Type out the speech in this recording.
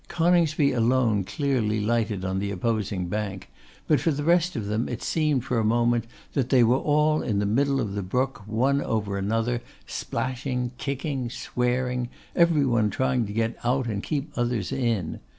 Coningsby alone clearly lighted on the opposing bank; but, for the rest of them, it seemed for a moment that they were all in the middle of the brook, one over another, splashing, kicking, swearing; every one trying to get out and keep others in.